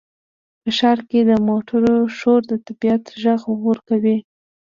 په ښار کې د موټرو شور د طبیعت غږ ورکوي.